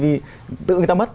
vì tự người ta mất